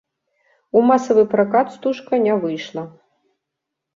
У масавы пракат стужка не выйшла.